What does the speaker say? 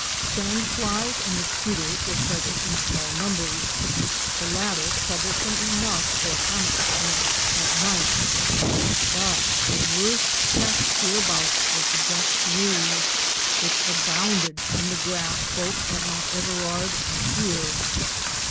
Sand flies and mosquitoes were present in small numbers, the latter troublesome enough for hammock nets at night, but the worst pest hereabouts was the béte rouge which abounded in the grass both at Mount Everard and here.